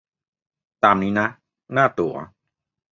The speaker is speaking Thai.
ตามนี้นะ หน้าตั๋ว